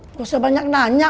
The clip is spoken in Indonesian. gak usah banyak nanya